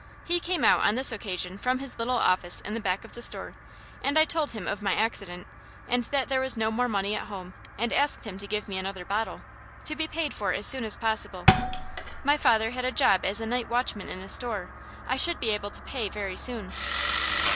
He came out, on this occasion, from his little office in the back of the store; and I told him of my accident, and that there was no more money at home, and asked him to give me another bottle, to be paid for as soon as possible. My father had a job as night watchman in a store. I should be able to pay very soon.